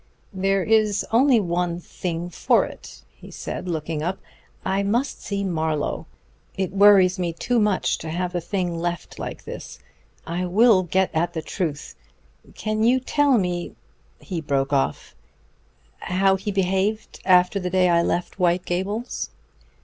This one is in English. "There is only one thing for it," he said, looking up. "I must see Marlowe. It worries me too much to have the thing left like this. I will get at the truth. Can you tell me," he broke off, "how he behaved after the day I left White Gables?"